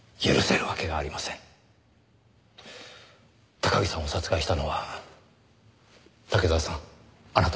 高木さんを殺害したのは竹沢さんあなたですね？